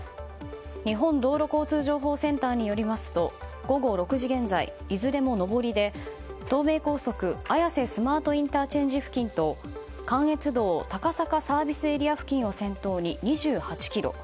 日本道路交通情報センターによりますと午後６時現在、いずれも上りで東名高速綾瀬スマートＩＣ付近と関越道高坂ＳＡ付近を先頭に２８ｋｍ